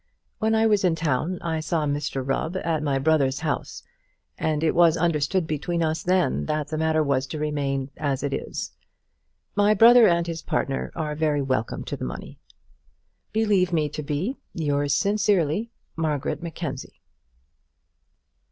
When I was in town I saw Mr Rubb at my brother's house, and it was understood between us then that the matter was to remain as it is. My brother and his partner are very welcome to the money. Believe me to be, Yours sincerely, MARGARET MACKENZIE.